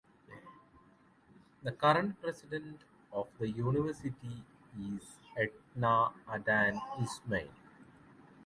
The current president of the University is Edna Adan Ismail.